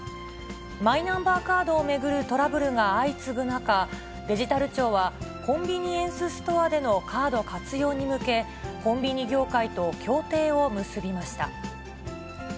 マイナンバーカードを巡るトラブルが相次ぐ中、デジタル庁は、コンビニエンスストアでのカード活用に向け、コンビニ業界と協定を結びました。